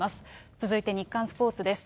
続いて日刊スポーツです。